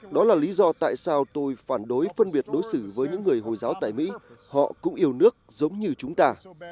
đó là lý do tại sao tôi phản đối phân biệt đối xử với những người hồi giáo tại mỹ họ cũng yêu nước giống như chúng ta